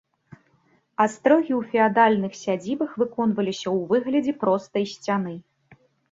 Астрогі ў феадальных сядзібах выконваліся ў выглядзе простай сцяны.